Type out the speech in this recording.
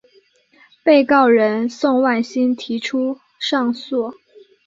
被告人宋万新提出上诉。